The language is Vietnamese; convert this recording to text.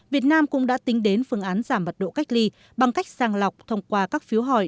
việt nam cũng đã tính đến phương án giảm mật độ cách ly bằng cách sang lọc thông qua các phiếu hỏi